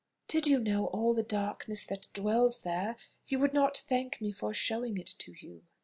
"Did you know all the darkness that dwells there, you would not thank me for showing it to you."